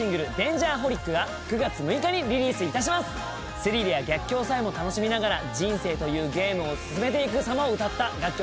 スリルや逆境さえも楽しみながら人生というゲームを進めていく様を歌った楽曲となっております。